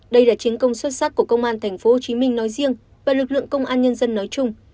đây là chiến công xuất sắc của công an tp hồ chí minh nói riêng và lực lượng công an nhân dân nói chung